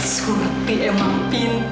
surat pm mampin